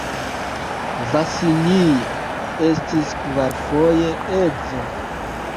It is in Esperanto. Vasilij estis kvarfoje edzo.